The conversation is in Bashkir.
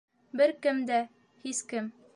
Бер кем дә, һис кем